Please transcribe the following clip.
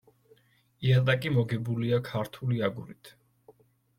იატაკი მოგებულია ქართული აგურით.